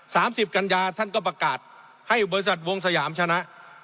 สามสิบกัญญาท่านก็ประกาศให้บริษัทวงสยามชนะ